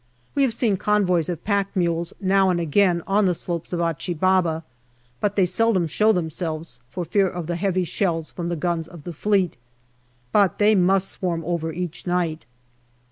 We have seen convoys of pack mules now and again on the slopes of Achi Baba, but they seldom show themselves, for fear of the heavy shells from the guns of the Fleet. But they must swarm over each night.